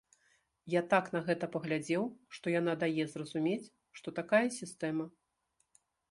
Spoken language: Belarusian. Я так на гэта паглядзеў, што яна дае зразумець, што такая сістэма.